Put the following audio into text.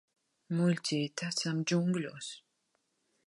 Muļķīt, esam džungļos.